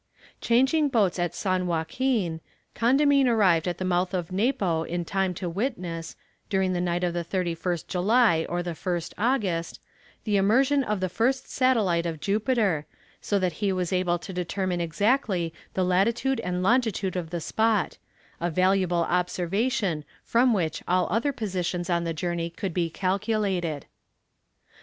Changing boats at San Joaquin, Condamine arrived at the mouth of Napo in time to witness, during the night of the 31st July or the 1st August, the emersion of the first satellite of Jupiter, so that he was able to determine exactly the latitude and longitude of the spot a valuable observation, from which all other positions on the journey could be calculated.